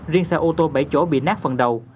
riêng xe ô tô bảy chỗ bị nát phần đầu